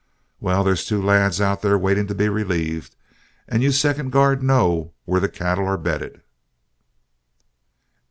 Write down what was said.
Well, there's two lads out there waiting to be relieved, and you second guard know where the cattle are bedded."